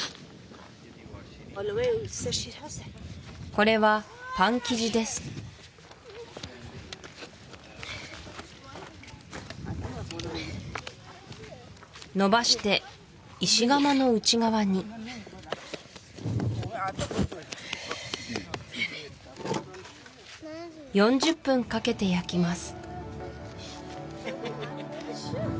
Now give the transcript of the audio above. これはパン生地です伸ばして石窯の内側に４０分かけて焼きます